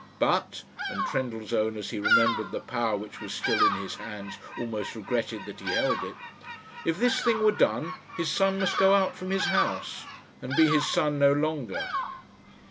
But and Trendellsohn, as he remembered the power which was still in his hands, almost regretted that he held it if this thing were done, his son must go out from his house, and be his son no longer.